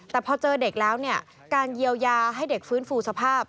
แต่พอเจอเด็กแล้วเนี่ยการเยียวยาให้เด็กฟื้นฟูสภาพ